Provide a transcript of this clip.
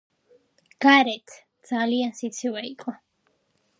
გარეთ ძალიან სიცივე იყო